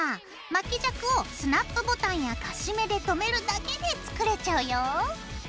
巻き尺をスナップボタンやカシメでとめるだけで作れちゃうよ。